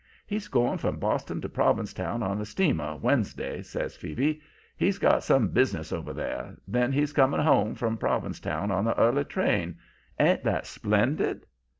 "'He's going from Boston to Provincetown on the steamer, Wednesday,' says Phoebe. 'He's got some business over there. Then he's coming home from Provincetown on the early train. Ain't that splendid?'